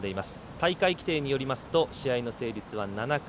大会規定によりますと試合の成立は７回。